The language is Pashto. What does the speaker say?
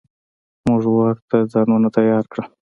موږ ورته ځانونه تيار کړل.